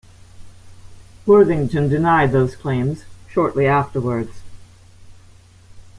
Worthington denied those claims shortly afterwards.